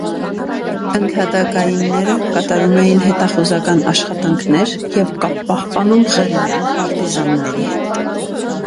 Ընդհատակայինները կատարում էին հետախուզական աշխատանքներ և կապ պահպանում ղրիմյան պարտիզանների հետ։